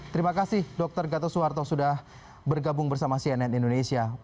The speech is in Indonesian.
terima kasih dokter gatot suharto sudah bergabung bersama cnn indonesia